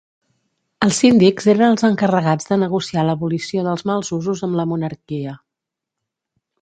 Els síndics eren els encarregats de negociar l'abolició dels mals usos amb la monarquia.